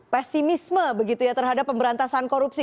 pesimisme terhadap pemberantasan korupsi